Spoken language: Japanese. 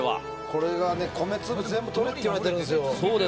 これが、米粒を全部取れって言われてるんですよ。